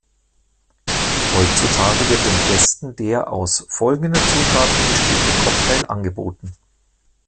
Heutzutage wird den Gästen der aus folgenden Zutaten bestehende Cocktail angeboten.